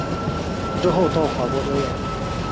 之后到法国表演。